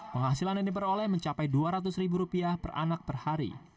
penghasilan yang diperoleh mencapai dua ratus ribu rupiah per anak per hari